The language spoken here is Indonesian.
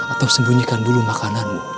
atau sembunyikan dulu makananmu